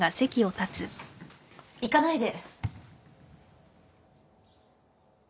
行かないで。